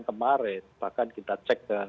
kemarin bahkan kita cek